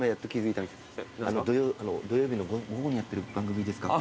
「土曜日の午後にやってる番組ですか？」